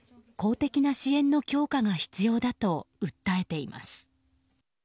公的な支援の強化が必要だと訴えています。